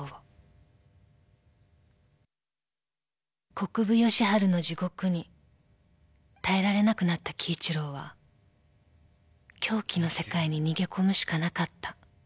［国府吉春の地獄に耐えられなくなった輝一郎は狂気の世界に逃げ込むしかなかった］